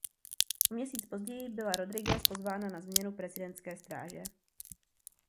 O měsíc později byla Rodriguez pozvána na změnu prezidentské stráže.